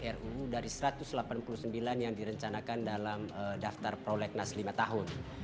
dua puluh tujuh ruu dari satu ratus delapan puluh sembilan yang direncanakan dalam daftar prolegnas lima tahun